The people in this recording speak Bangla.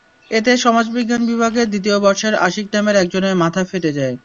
এতে সমাজবিজ্ঞান বিভাগের দ্বিতীয় বর্ষের আশিক নামের একজনের মাথা ফেটে যায়।